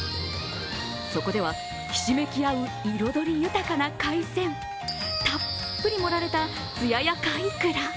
そこでは、ひしめき合う彩り豊かな海鮮、たっぷり盛られたつややかイクラ。